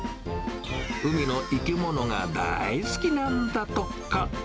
海の生き物が大好きなんだとか。